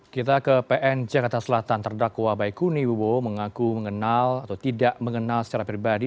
kita ke pn jakarta selatan terdakwa baikuni wibowo mengaku mengenal atau tidak mengenal secara pribadi